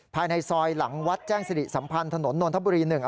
ภายในซอยหลังวัดแจ้งสริสัมพันธ์ถนนโอล์ทบุรีหนึ่ง